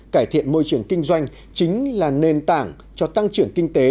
cải thiện môi trường kinh doanh chính là nền tảng cho tăng trưởng kinh tế